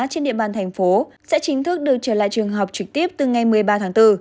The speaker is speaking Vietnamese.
trên địa bàn thành phố sẽ chính thức được trở lại trường học trực tiếp từ ngày một mươi ba tháng bốn